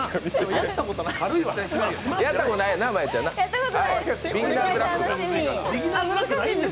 やったことないです。